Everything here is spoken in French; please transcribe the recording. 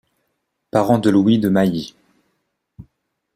Parents de Louis de Mailly.